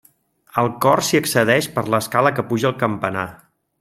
Al cor s'hi accedeix per l'escala que puja al campanar.